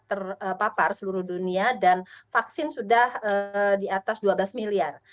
terpapar seluruh dunia dan vaksin sudah di atas dua belas miliar